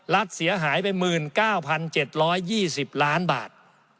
เสียหายไป๑๙๗๒๐ล้านบาท